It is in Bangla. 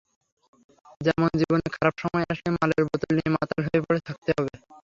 যেমন, জীবনে খারাপ সময় আসলে মালের বোতল নিয়ে মাতাল হয়ে পড়ে থাকতে হবে।